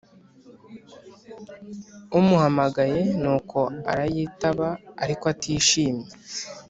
umuhamagaye nuko arayitaba ariko atishimye